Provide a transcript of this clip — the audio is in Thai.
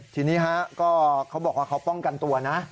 ทีนี้ฮะก็เขาบอกว่าเขาป้องกันตัวนะ